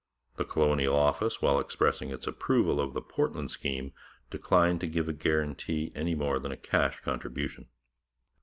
The Colonial Office, while expressing its approval of the Portland scheme, declined to give a guarantee any more than a cash contribution.